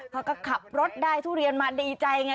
เขาก็ขับรถได้ทุเรียนมาดีใจไง